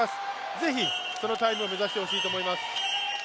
是非そのタイムを目指してほしいと思います。